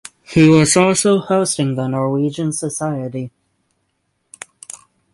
He was also hosting the Norwegian Society.